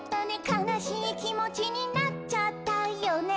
「かなしいきもちになっちゃったよね」